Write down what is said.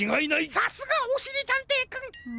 さすがおしりたんていくん！